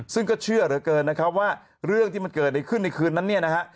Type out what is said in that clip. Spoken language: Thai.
ซึ่งก็เชื่อเหลือเกินนะครับว่าเรื่องที่มันเกิดขึ้นในคืนนั้นเนี่ยนะฮะ